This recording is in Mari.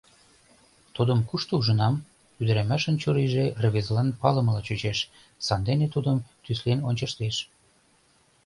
«Тудым кушто ужынам?» — ӱдырамашын чурийже рвезылан палымыла чучеш, сандене тудым тӱслен ончыштеш.